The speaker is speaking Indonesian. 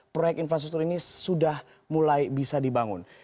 proyek infrastruktur ini sudah mulai bisa dibangun